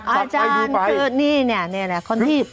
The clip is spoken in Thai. อาจารย์คือนี่แหละค้นทีบ